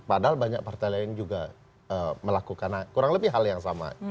padahal banyak partai lain juga melakukan hal yang sama